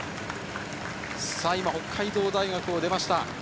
北海道大学を今、出ました。